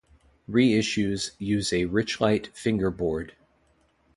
Reissues use a richlite fingerboard.